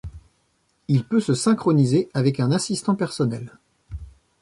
Il peut se synchroniser avec un assistant personnel.